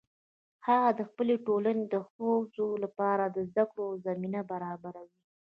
هغه د خپلې ټولنې د ښځو لپاره د زده کړو زمینه برابروي